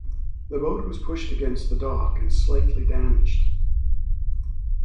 The boat was pushed against the dock and slightly damaged.